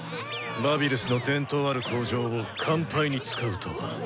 バビルスの伝統ある口上を乾杯に使うとは。